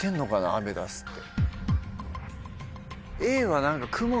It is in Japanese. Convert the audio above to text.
アメダスって。